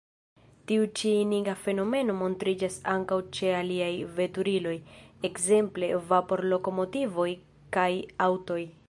Tiu ĉi iniga fenomeno montriĝas ankaŭ ĉe aliaj veturiloj, ekzemple vapor-lokomotivoj kaj aŭtoj.